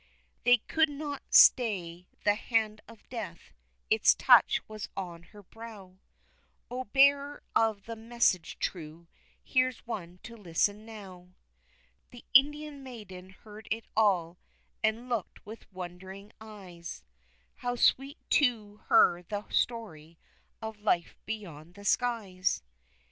They could not stay the hand of death, its touch was on her brow, O, bearer of the message true, here's one to listen now! The Indian maiden heard it all, and looked with wondering eyes, How sweet to her the story of the life beyond the skies!